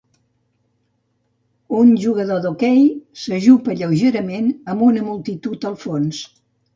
Un jugador d'hoquei s'ajupa lleugerament amb una multitud al fons